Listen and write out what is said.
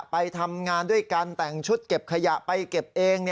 ไปทำงานด้วยกันแต่งชุดเก็บขยะไปเก็บเอง